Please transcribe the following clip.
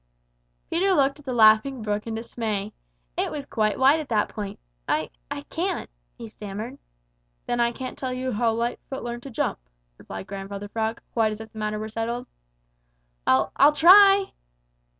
Peter looked at the Laughing Brook in dismay. It was quite wide at that point. "I I can't," he stammered. "Then I can't tell you how Lightfoot learned to jump," replied Grandfather Frog, quite as if the matter were settled. "I I'll try!"